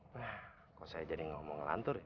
nah kok saya jadi ngomong lantur ya